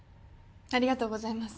ありがとうございます。